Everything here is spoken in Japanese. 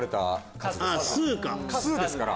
数ですから！